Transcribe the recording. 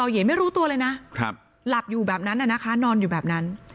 เหยไม่รู้ตัวเลยนะหลับอยู่แบบนั้นนะคะนอนอยู่แบบนั้น